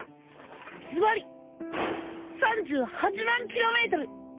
ズバリ３８万キロメートル